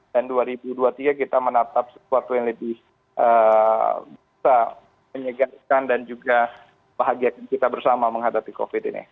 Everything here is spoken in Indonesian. dan dua ribu dua puluh tiga kita menatap sesuatu yang lebih bisa menyegarkan dan juga bahagia kita bersama menghadapi covid sembilan belas ini